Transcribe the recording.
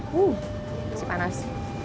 wuh masih panas